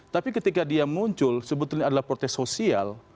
tapi ketika dia muncul sebetulnya adalah protes sosial